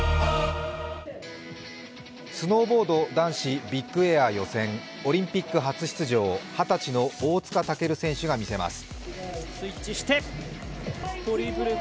スノーボード男子ビッグエア予選オリンピック初出場、二十歳の大塚健選手が見せます。